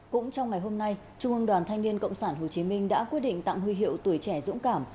cũng trong ngày hôm nay trung ương đoàn thanh niên cộng sản hồ chí minh đã quyết định tặng huy hiệu tuổi trẻ dũng cảm